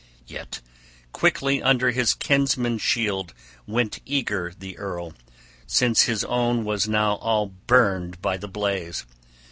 Yet quickly under his kinsman's shield went eager the earl, since his own was now all burned by the blaze.